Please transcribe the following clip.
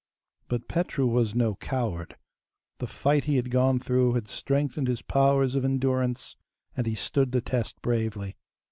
But Petru was no coward; the fight he had gone through had strengthened his powers of endurance, and he stood the test bravely.